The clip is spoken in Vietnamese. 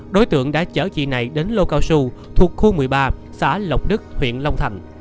đối tượng đã chở chị này đến lô cao su thuộc khu một mươi ba xã lộc đức huyện long thành